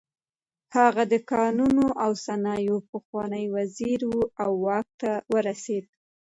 هغه د کانونو او صنایعو پخوانی وزیر و او واک ته ورسېد.